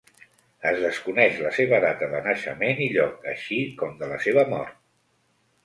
Es desconeix la seva data de naixement i lloc, així com de la seva mort.